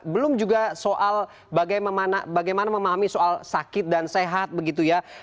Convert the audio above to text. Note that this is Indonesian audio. belum juga soal bagaimana memahami soal sakit dan sehat begitu ya